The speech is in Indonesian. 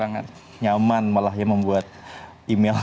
karena nyaman malah ya membuat email